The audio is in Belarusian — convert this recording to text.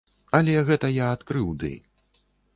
Але гэта я ад крыўды.